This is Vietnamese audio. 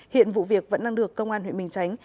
hiện vụ việc vẫn đang được công an huyện bình chánh